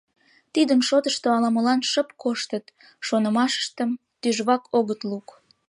Тидын шотышто ала-молан шып коштыт, шонымыштым тӱжвак огыт лук.